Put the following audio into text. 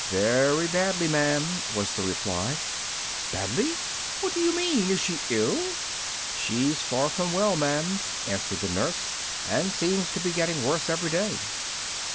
"Very badly, ma'am," was the reply. "Badly! What do you mean? Is she ill?" "She's far from well, ma'am," answered the Nurse, "and seems to be getting worse every day."